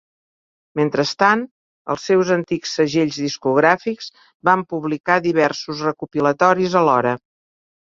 Mentrestant, els seus antics segells discogràfics, van publicar diversos recopilatoris alhora.